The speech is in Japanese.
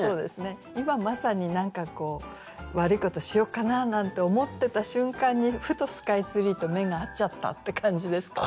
今まさに何か悪いことしよっかな？なんて思ってた瞬間にふとスカイツリーと目が合っちゃったって感じですかね。